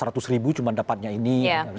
seratus ribu cuma dapatnya ini